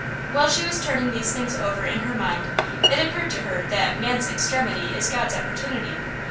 While she was turning these things over in her mind it occurred to her that "man's extremity is God's opportunity."